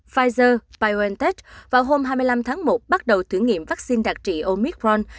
pfizer biontech vào hôm hai mươi năm tháng một bắt đầu thử nghiệm vaccine đặc trị omicron